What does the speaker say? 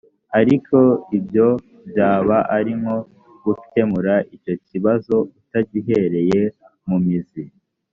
ariko ibyo byaba ari nko gukemura icyo kibazo utagihereye mu mizi